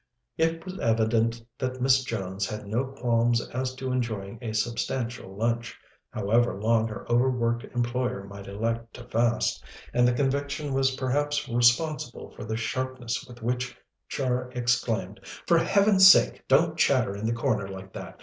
It was evident that Miss Jones had no qualms as to enjoying a substantial lunch, however long her over worked employer might elect to fast, and the conviction was perhaps responsible for the sharpness with which Char exclaimed: "For Heaven's sake don't chatter in the corner like that!